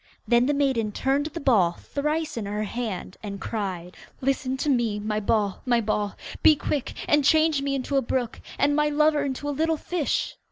Then the maiden turned the ball thrice in her hand, and cried, 'Listen to me, my ball, my ball. Be quick and change me into a brook, And my lover into a little fish.